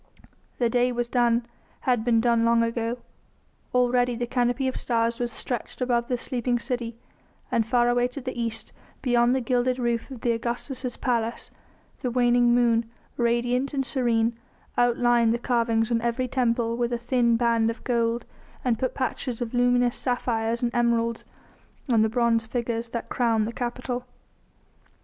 The day was done, had been done long ago; already the canopy of the stars was stretched over the sleeping city, and far away to the east, beyond the gilded roof of Augustus' palace, the waning moon, radiant and serene, outlined the carvings on every temple with a thin band of gold and put patches of luminous sapphires and emeralds on the bronze figures that crowned the Capitol.